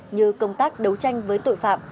như công tác đấu tranh với tội phạm